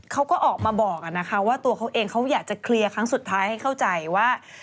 เขาก็ออกมาบอกนะคะว่าตัวเขาเองเขาอยากจะเคลียร์ครั้งสุดท้ายให้เข้าใจว่า